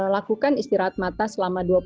lakukan istirahat mata selama dua puluh detik ya